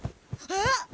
あっ！